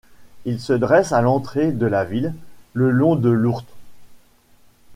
Il se dresse à l'entrée de la ville, le long de l'Ourthe.